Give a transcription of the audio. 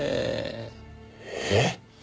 えっ？